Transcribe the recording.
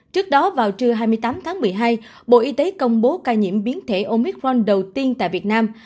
trước đó vào trưa hai mươi tám tháng một mươi hai bộ y tế công bố ca nhiễm biến thể omitron đầu tiên tại việt nam